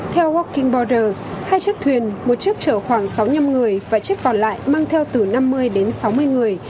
theo walking borders hai chiếc thuyền một chiếc chở khoảng sáu năm người và chiếc còn lại mang theo từ năm mươi đến sáu mươi người